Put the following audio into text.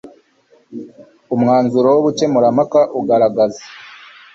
umwanzuro w ubukemurampaka ugaragaza